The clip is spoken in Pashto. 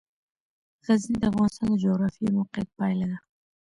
غزني د افغانستان د جغرافیایي موقیعت پایله ده.